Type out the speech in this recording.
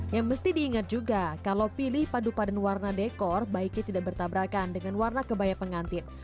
yang mesti diingat juga kalau pilih padu padan warna dekor baiknya tidak bertabrakan dengan warna kebaya pengantin